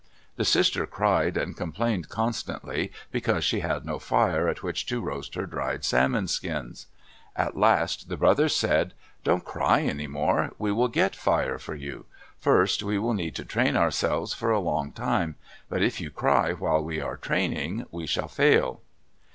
The sister cried and complained constantly because she had no fire at which to roast her dried salmon skins. At last the brothers said, "Don't cry any more. We will get fire for you. First we will need to train ourselves for a long time; but if you cry while we are training, we shall fail."